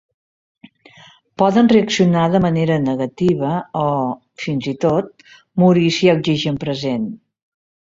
Poden reaccionar de manera negativa o, fins i tot, morir si hi ha oxigen present.